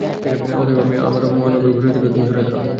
অতএব, আমি ও আমার মহান রব-এর ফেরেশতাগণের মধ্য থেকে তুমি সরে দাড়াও।